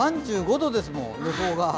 ３５度ですもん、予報が。